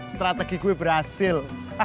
strategi gue berhasil